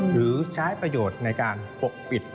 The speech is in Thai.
หรือใช้ประโยชน์ในการปกปิด